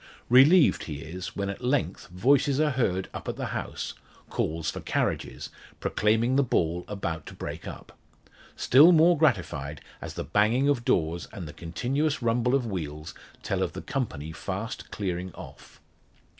Relieved he is, when at length voices are heard up at the house calls for carriages proclaiming the ball about to break up. Still more gratified, as the banging of doors, and the continuous rumble of wheels, tell of the company fast clearing off.